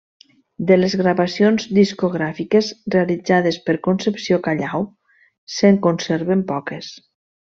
De les gravacions discogràfiques realitzades per Concepció Callao se'n conserven poques.